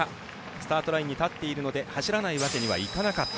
スタートラインに立っているので走らないわけにはいかなかった。